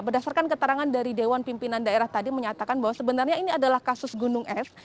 berdasarkan keterangan dari dewan pimpinan daerah tadi menyatakan bahwa sebenarnya ini adalah kasus gunung es